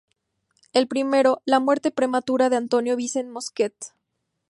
El primero, la muerte prematura de Antonio Vicente Mosquete.